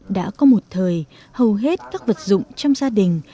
đã có một thời hầu hết các vật dụng trong gia đình